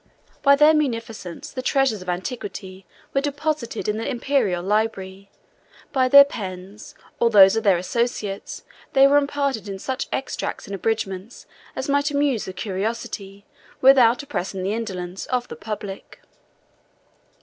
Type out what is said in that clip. By their munificence the treasures of antiquity were deposited in the Imperial library; by their pens, or those of their associates, they were imparted in such extracts and abridgments as might amuse the curiosity, without oppressing the indolence, of the public.